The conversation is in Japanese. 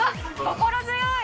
心強い！